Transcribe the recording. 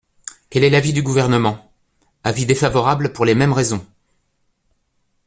Quel est l’avis du Gouvernement ? Avis défavorable pour les mêmes raisons.